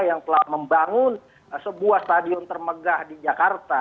yang telah membangun sebuah stadion termegah di jakarta